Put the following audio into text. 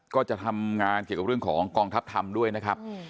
ก็จะทำงานเกี่ยวกับเรื่องของกองทัพธรรมด้วยนะครับ